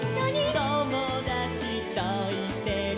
「ともだちといても」